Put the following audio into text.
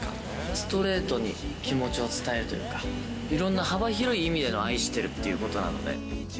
ストレートに気持ちを伝えるというか、いろんな幅広い意味での愛してるっていうことなので。